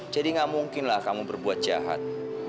jadi nggak mungkinlah kamu berbuat jahat